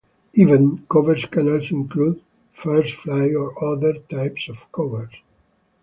"Event" covers can also include, "First flights", or other types of covers.